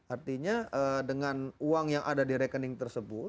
artinya dengan uang yang ada di rekening tersebut